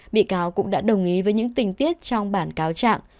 bị cáo cũng đã đồng ý với những tình tiết trong bản cáo trạng